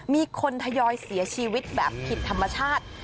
มีคนทยอยเสียชีวิตแบบผิดธรรมชาติ